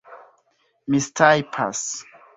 mistajpas